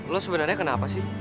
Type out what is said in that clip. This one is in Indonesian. lo sebenernya kenapa sih